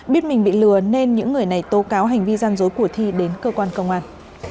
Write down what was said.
biết mình bị lừa nên những người này tố cáo hành vi gian dối của thi đến cơ quan công an